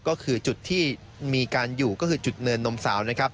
ก็คือจุดที่มีการอยู่ก็คือจุดเนินนมสาวนะครับ